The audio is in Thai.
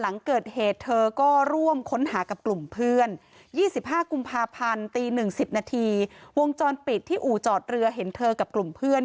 หลังเกิดเหตุเธอก็ร่วมค้นหากับกลุ่มเพื่อน๒๕กุมภาพันธ์ตี๑๐นาทีวงจรปิดที่อู่จอดเรือเห็นเธอกับกลุ่มเพื่อน